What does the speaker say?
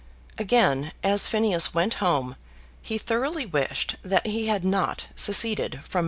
Again as Phineas went home he thoroughly wished that he had not seceded from Mr. Low.